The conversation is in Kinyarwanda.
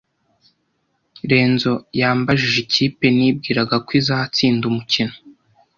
Lenzo yambajije ikipe nibwiraga ko izatsinda umukino.